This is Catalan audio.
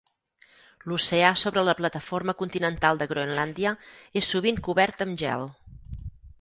L'oceà sobre la plataforma continental de Groenlàndia és sovint cobert amb gel.